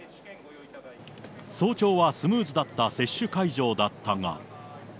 早朝はスムーズだった接種会場だったが。